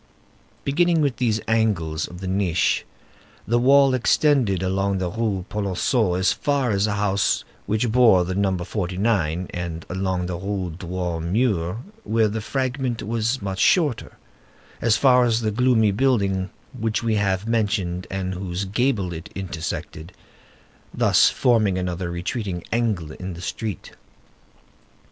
Beginning with these angles of the niche, the wall extended along the Rue Polonceau as far as a house which bore the number 49, and along the Rue Droit Mur, where the fragment was much shorter, as far as the gloomy building which we have mentioned and whose gable it intersected, thus forming another retreating angle in the street.